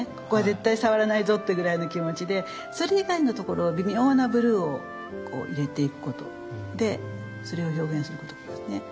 ここは絶対触らないぞってぐらいの気持ちでそれ以外のところは微妙なブルーを入れていくことでそれを表現することですね。